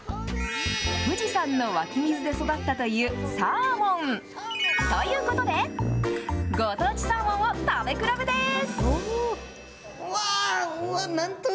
富士山の湧き水で育ったというサーモン。ということで、ご当地サーモンを食べ比べでーす。